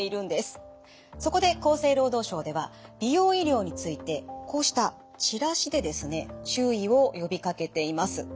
そこで厚生労働省では美容医療についてこうしたチラシでですね注意を呼びかけています。